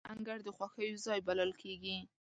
د پوهنتون انګړ د خوښیو ځای بلل کېږي.